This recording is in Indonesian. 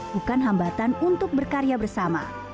bukan hambatan untuk berkarya bersama